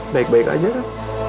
baik baik aja kan